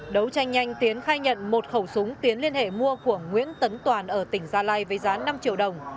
đấu tranh nhanh tiến khai nhận một khẩu súng tiến liên hệ mua của nguyễn tấn toàn ở tỉnh gia lai với giá năm triệu đồng